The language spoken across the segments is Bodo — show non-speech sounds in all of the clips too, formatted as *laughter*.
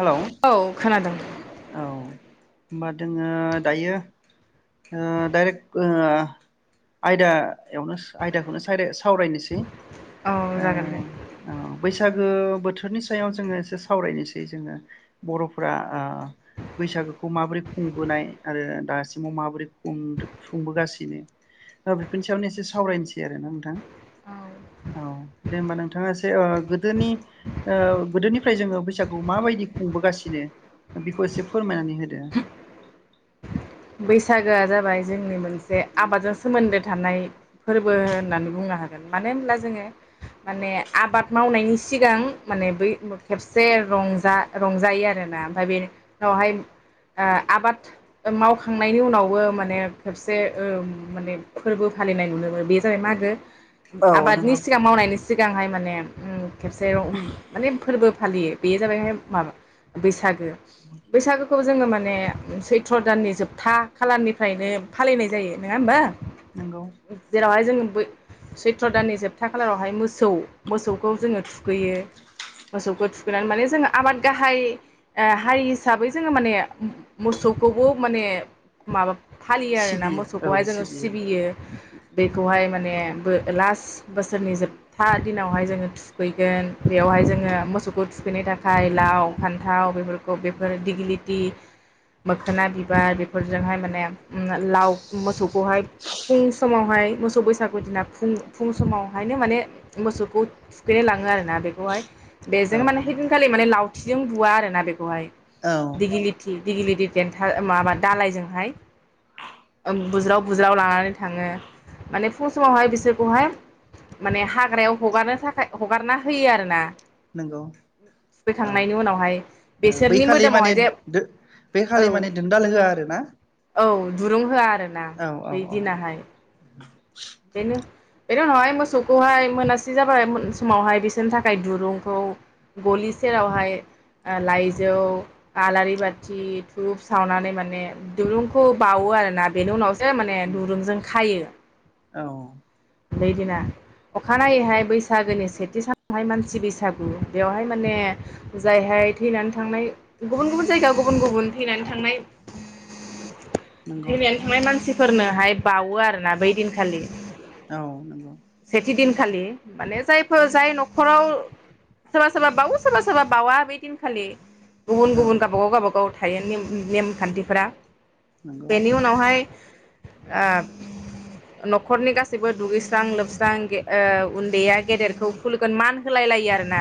हेलौ औ खोनादों। औ होमबा दोङो दायो डाइरेक्ट आयदायावनो आयदाखौनो सावरायनोसै। औ जागोन दे औ बैसागो बोथोर बोथोरनि सायाव जोङो एसे सावरायनोसै जोङो बर'फोरा बैसागोखौ माबोरै खुंबोनाय आरो दासिमाव माबोरै खुं खुंबोगासिनो बेफोरनि सायावै एसे सावरायनोसै आरोना नोंथां औ औ दे होमबा नोंथाङा एसे गोदोनि गोदोनिफ्राय जोङो बैसागुखौ माबायदि खुंबोगासिनो बेखौ एसे फोरमायनानै होदो । बैसागोआ जाबाय जोंनि मोनसे जे आबादजों सोमोन्दो थानाय फोरबो होननानै बुंनो हागोन मानो होनब्ला जोङो माने आबाद मावनायनि सिगां माने बै खेबसेजा रंजा- रंजायो आरोना ओमफ्राय बेवहाय आबाद मावखां खांनायनि उनावबो माने खेबसे ओ माने फोरबो फालिनाय नुनो बे जाबाय मागो। औ आबादनि नंगौ सिगां मावनायनि सिगांहाय माने खेबसे माने फोरबो फालियो बेयो जाबायहाय माबा बैसाग बैसागु खौ जोङो माने सैथ्र दाननि जोबथा था खालारनिफ्रायनो फालिनाय जायो नङा होमबा। नंगौ जेरावहाय जोंङो बौ सैथ दाननि जोबथा खालारावहाय मोसौ मोसौखौ जोङो थुखैयो मोसौखौ थुखैनानै माने जोङो आबाद गाहाय हारि हिसाबै जोङो माने मोसौखौबो माने माबा फालियो आरोना सिबियो मोसौखौहाय औ जोङो सिबियो बेखौहाय माने बो लास बोसोरनि जोबथा दिनावहाय जोङो थुखैगोन बेयावहाय जोङो मोसौखौ थुखैनो थाखाय लाव फान्थाव बेफोरखौ बेफोर दिगलिथि मोखोना बिबार फोरजोंहाय माने लाव मोसौखौहाय फुं समावहाय मोसौ बैसागु दिना फुं-फुं समावहायनो माने मोसौखौ थुखैनाय लाङो आरोना बेखौहाय औ बेजों माने नंगौ हैदिनखालि माने लाव थिजों बुवा आरोना बेखौहाय औ दिगिलिथि दिगिलि गेथा माबानो दालायजोंहाय ओम बुज्राव बुज्राव लानानै थाङो माने फुं समावहाय बिसोरखौहाय माने हाग्रायाव हगारनो थाखाय हगारना होयो आरोना। नंगौ औ थुखैखांनायनि उनावहाय बै बेसोरनि खालि माने मोदोमावहाय जे बै औ खालि माने दोनदाल होआ आरो ना औ दुरुं होआ आरोना औ औ बै औ दिनहाय। बेनो बेनि उनावहाय मोसौखौहाय मोनासे जाबाय समावहाय बिसोरनि थाखाय दुरुंखौ गलि सेरावहाय लाइजौ आलारि बाथि धुप सावनानै माने दुरुंखौ बाउो आरोना बेनि उनाव जो माने दुरुंजों खायो औ बैदिना अखानायैहाय बैसागोनि सेथि सानावहाय मानसि बैसागु बेयावहाय माने जायहाय थैनानै थांनाय गुबुन गुबुन जायगायाव गुबुन गुबुन थैनानै थांनाय नंगौ थैनानै थांनाय मानसि फोरनोहाय बाउवो आरोना बै दिनखालि औ नंगौ सेथि दिन खालि माने जायफोर जाय नख हराव सोरबा सोरबा बावो सोरबा सोरबा बावा बे दिनखालि गुबुन औ गुबुन गाबागाव गावबा गाव थायो नेम नेमखान्थिफोरा नंगौ बेनि उनावहाय ओ नक न'खरनि गासैबो दुगैस्रां लोबस्रां गे ओ उन्दैया गेदेरखौ खुलगोन मान होलाय लायो आरो ना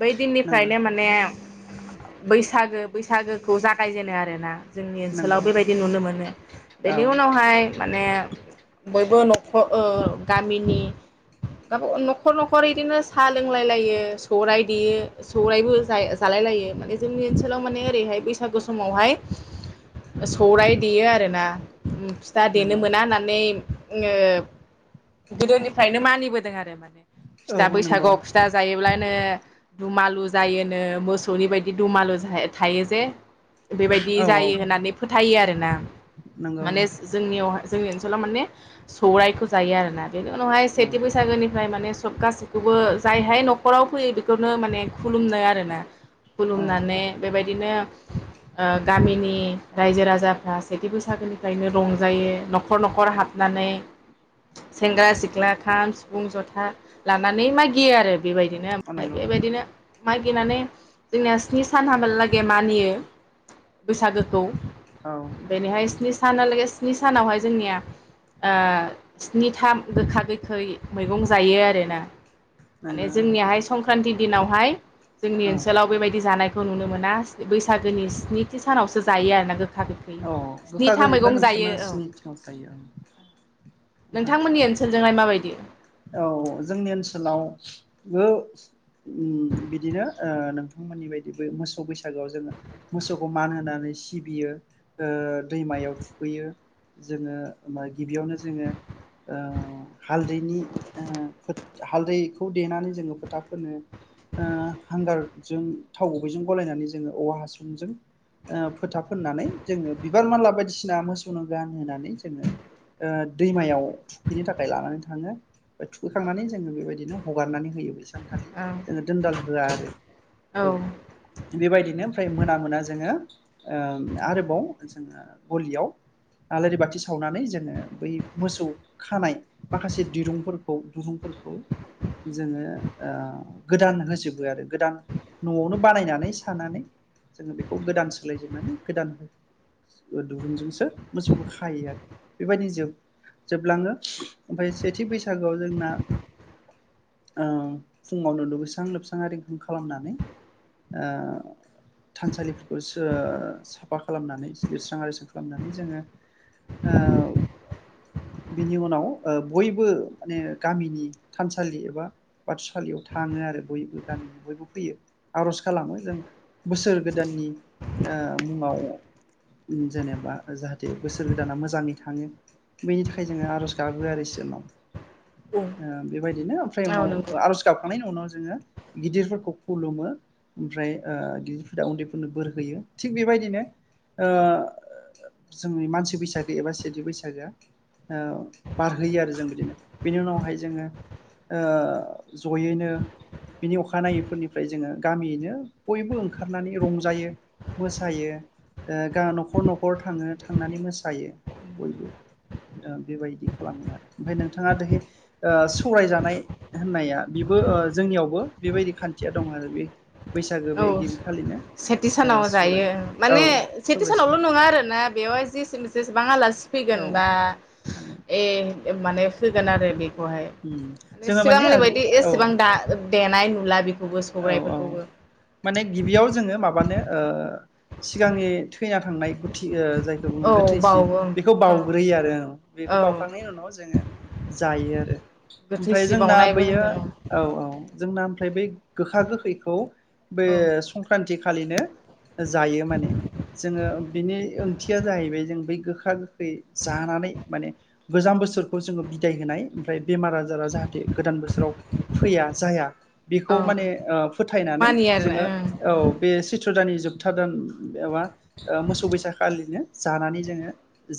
बै नंगौ दिननिफ्रायनो माने बैसागो बैसागोखौ जागायजेनो आरोना जोंनि नंगौ ओनसोलाव बेबायदि नुनो मोनो औ बेनि उनावहाय माने बयबो नखर ओ गामिनि गाबागाव न'खर न'खर इदिनो सा लोंलाय लायो सौराइ देयो सौरायबो जाय जालाय लायो माने जोंनि ओनसोलाव माने ओरैहाय बैसागु समावहाय सौराय देयो आरोना उम फिथा देनो नंगौ मोना होननानै ओ गोदोनिफ्रायनो मानिबोदों आरो माने औ फिथा नंगौ बैसागोआव फिथा जायोब्ला नो दुमालु जायोनो मोसौनि बायदि दुमालु जेह थायो जे बेबायदि औ जायो होननानै फोथायो आरोना नंगौ माने जोंनियावहा जोंनि ओनसोलाव माने सौराइखौ जायो आरोना बेनि उनावहाय औ सेथि बैसागोनिफ्राय माने सबथासेखौबो जायहाय न'खराव फैयो बेखौनो माने खुलुमनो आरोना औ खुलुमनानै बेबायदि बिदिनो ओ गामिनि रायजो राजाफ्रा सेथि बैसागोनिफ्रायनो रंजायो न'खर न'खर हाबनानै सेंग्रा सिख्ला खाम सिफुं जथा लानानै मागियो आरो बेबायदिनो ओमफ्राय नंगौ बेबायदिनो मागिनानै जोंनिया स्नि सान हाबालागे मानियो बैसागोखौ औ बेनिहाय नंगौ स्नि सानालागे स्नि सानावहाय जोंनिया ओ स्निथाम गोखा गोखै मैगं जायो आरोना माने नंगौ जोंनियाहाय संक्रान्ति दिनावहाय जोंनि औ ओनसोलाव बेबायदि जानाय खौ नुनो मोना बैसागोनि स्निथि सानावसो जायो आरोना गोख औ गोखा गोखैखा नोंसोरना औ स्नि थिआवसो जायो आदसा आदसा नोंथांमोननि औ ओनसोलजोंहाय माबायदि औ जोंनि ओनसोलावबो बिदिनो नोंथांमोननि बायदि मोसौ बैसागोआव जोङो मोसौखौ मान होनानै सिबियो ओ दैमायाव थुखैयो जोङो गिबियावनो जोङो हालदैनि हालदैखौ देनानै जोङो फोथा फोनो हांगारजों थाव गुबैजों गलायनानै जोङो औवा हासुंजों फोथा फोननानै जोङो बिबार मानला बायदिसिना मोसौनो गान होनानै जोङो दैमायाव थुखैनो थाखाय लानानै थाङो ओम थुखैखांनानै जोङो बेबायदिनो हगारनानै होयो बेसां औ *unintelligible* होआ आरो औ बेबायदिनो ओमफ्राय मोना मोना जोङो आरो जो गलियाव आलारि बाथि सावनानै जोङो बै मोसौ खानाय माखासे दिरुंफोरखौ दुरुंफोरखौ जोङो गोदान होजोबो आरो गोदान न'आवनो बानायनानै सानानै जोङो बेखौ गोदान सोलाय जोबनानै गोदान हो दुरुंजोंसो मोसौखौ खायो आरो बेबायदिनो ज जोबलाङो ओमफ्राय सेथि बैसागोआव जोंना फुङावनो लुबैस्रां लोबस्रां रिंखां खालामनानै थानसालिफोरखौ साफा खालामनानै लिरस्रां आरिस्रां खालामनानै जोङो बिनि उनाव बयबो माने गामिनि थानसालि एबा बाथौसालियाव थाङो आरो बयबो गामिनि बयबो फैयो आर'ज खालामो जों बोसोर गोदाननि ओ मुंआव जेनेबा जाहाथे बोसोर गोदाना मोजाङै थाङो बेनि थाखाय जोङो आर'ज गाबो आरो इसोरनाव ओ बेबायदिनो ओमफ्राय औ उनाव नंगौ आर'ज गाबखांनायनि उनाव जोङो गिदिरफोरखौ खुलुमो ओमफ्राय ओ गिदिरा उन्दैफोरनो बोर होयो थिग बेबायदिनो जोंनि मानसि बैसागो एबा सिज बैसागोआ बारहोयो आरो जों बिदिनो बेनि उनावहाय जोङो जयैनो बिनि अखानायैफोरनिफ्राय जोङो गामियैनो बयबो ओंखारनानै रंजायो मोसायो ग न'खर न'खर थाङो थांनानै मोसायो बयबो बेबायदि खालामो आरो ओमफ्राय नोंथाङा दहै सौरायजानाय होननाया बेबो जोंनियावबो बेबायदि खान्थिया दं आरो बे बैसागो औ बे गिबि खालिनो सेथि ओ सानाव सौराय जायो औ माने सेथि सौराय सानावल' नङा आरोना बेवहाय जि जेसेबां आलासि औ फैगोनबा माने ए माने होगोन आरो बे बेहाय उम माने जोङो सिगांनि बायदि औ एसेबां दा देेनाय नुला बि खौबो औ औ सौाइफोरखौबो माने गिबियाव जोङो माबानो सिगांनि थैना थांनाय गुथि जायखौ बुङो औ गोथैसि बावो ओं बेखौ ओं बाउग्रोयो आरो औ बेखौ बाउखांनायनि उनाव जोङो जायो आरो गोथै ओमफ्राय सि जोंना बावनायबो बैयो होनो औ औ जोंना ओमफ्राय बै गोखा गोखैखौ बे औ सं थि खालिनो जायो माने जोङो बिनि ओंथिया जाहैबाय जों बै गोखा गोखै जानानै माने गोजाम बोसोरखौ जोङो बिदाय होनाय ओमफ्राय बेमार आजारा जाहाथे गोदान बोसोराव फैया जाया। खौ औ माने ओ फोथायनानै मानियो जोङो आरो बे त्र दाननि जोबथा दान एबा मोसौ बैसा खालिनो जानानै जोङो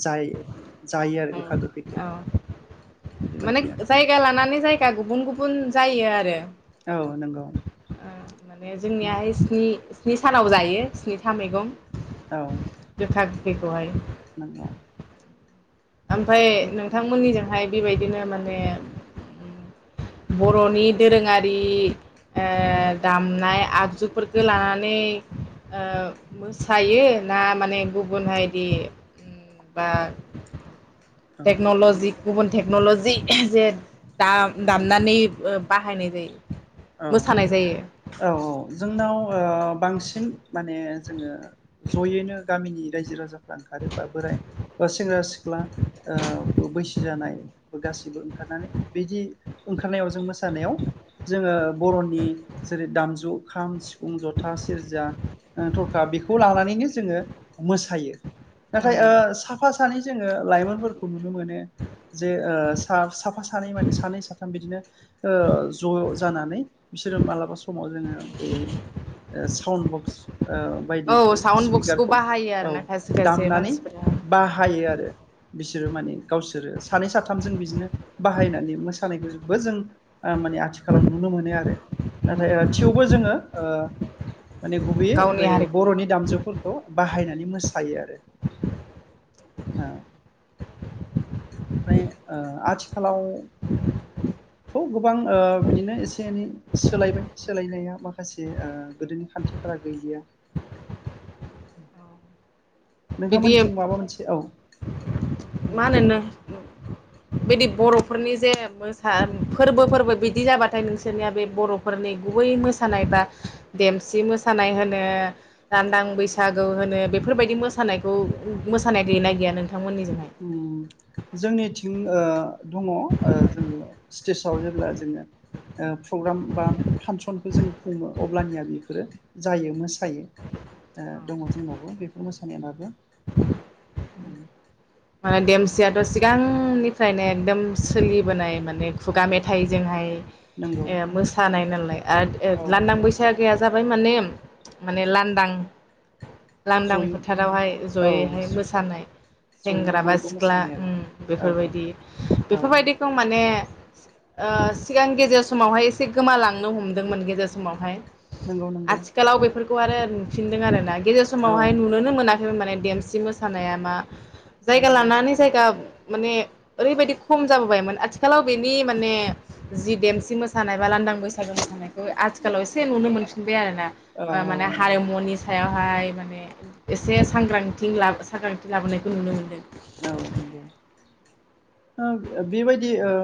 जाय जायो आरो ओं ओं गोखा गोखैखौ औ औ माने बेबायदि आरो जों। जायगा लानानै जायगा गुबुन गुबुन जायो आरो। औ नंगौ। ओ माने जोंनि माखा आइसनि स्नि सानाव जायो स्निथा मैगं। औ गोखा गोखैखौहाय। नंगौ ओमफाय नोंथांमोननिजोंहाय बेबायदिनो माने बर'नि दोरोङारि ओ दामनाय आगजुफोरखो लानानै ओ मोसायो ना माने गुबुन हायदि ओम बा औ टेक्न'लजि गुबुन टेक्न'लजि जे दा साननानै ओ बाहायनाय जायो। औ मोसानाय जायो औ औ जोंनाव ओ बांसिन माने जोङो ज'यैनो गामिनि रायजो राजाफ्रा ओंखारो बा बोराय बा सेंग्रा सिख्ला ओ बैसो जानाय गासैबो ओंखारनानै बिदि ओंखारनायाव जों मोसानायाव जोङो बर'नि जेरै दामजु खाम सिफुं जथा सेरजा ओ थरखा बेखौ लानानैनो जोङो मोसायो नाथाय ओ साफा सानै जोङो लाइमोनफोरखौ नुनो मोनो जे ओ साफा सानै माने सानै साथाम बिदिनो ओ ज' जानानै बिसोरो मालाबा समाव जोङो बे ओ साउन्ड बक्स ओ औ बायदिखौ साउन्ड बक्सखौ स्पिकारखौ बाहायो औ आरोना खायसे खायसे दामनानै मानसिफोरा बाहायो आरो। बिसोरो माने गावसोरो सानै साथामजों बिदिनो बाहायनानै मोसानायखौ जबो जों ओ माने आथिखा आथिखालाव नुनो मोनो आरो नाथाय थेवबो जोङो ओ माने गुबैयै गावनि बै हारिखौ बर'नि दामजुफोरखौ बाहायनानै। बिदि मोसायो आरो ओ। ओमफ्राय ओ आथिखालावथ' गोबां ओ बिदिनो एसे एनै सोलायबाय सोलायनाया माखासे ओ गोदोनि खान्थिफोरा गैलिया। बिदि नोंथांमोनथिं माबा मोनसे औ। मा बुंलाय होनो नों बिदि बर'फोरनि जे मोसा फोरबो फोरबो बिदि जाबाथाय नोंसोरनिया बे बर'फोरनि गुबै मोसानाय बा देमसि मोसानाय होनो लान्दां बैसागु होनो बेफोरबायदि मोसानायखौ मोसानाय गैनाय गैया नोंथांमोननिजों? उम जोंनिथिं ओ दङ ओ जोङो स्टेजाव जेब्ला जोङो ओ प्रग्राम बा फांसनझखौ जोङो खुङो अब्लानिया बेफोरो जायो मोसायो। ओ दङ जोंनावबो बे मोसानाया दाबो। ओ माने देमसियाथ' सिगांनिफ्रायनो एकदम सोलिबोनाय माने खुगा मेथाइजोंहाय नंगौ ए मोसानाय नाला ओ आ औ लानदां बैसाग गैया जाबाय माने माने लानदां। लांदां जयै फोथारावहाय औ जयैहाय मोसानाय जयैनो सेंग्रा बा बयबो सिख्ला मोसानाय ओम आरो औ औ बेफोरबायदि औ बेफोरबायदिखौ माने ए ओ सिगां गेजेर समावहाय एसे गोमालांनो हमदोंमोन गेजेर समावहाय नंगौ नंगौ आथिखालाव बेफोर आरो नुफिनदों आरो ना गेजेर औ समावहाय नुोनोनो मोना माने देमसि मोसानाया मा जायगा नंगौ लानानै जायगा माने ओरैबायदि खम जाबोबायमोन आथिखालाव बेनि माने जि देमसि मोसानाय बा लांदां बैसागु मोसानाय आथिखालाव एसे नुनो मोनफिनबाय आरोना औ माने औ नंगौ हारिमुनि सायाव फाय माने एसे सांग्रांथि लाबो सागान्थि लाबोनायखौ नुनो मोनो। औ नंगौ ओ बेबायदि ओ